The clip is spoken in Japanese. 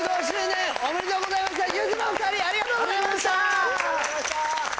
２５周年おめでとうございます